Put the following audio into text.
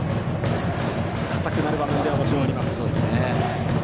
硬くなる場面ではもちろん、あります。